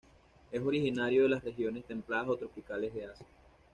Es originario de las regiones templadas o tropicales de Asia.